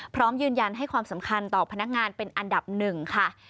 พร้อมยืนยันให้ความสำคัญต่อพนักงานเป็นอันดับหนึ่งค่ะ